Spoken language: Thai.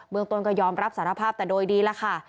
เมืองต้นก็ยอมรับสารภาพแต่โดยดีแล้วค่ะ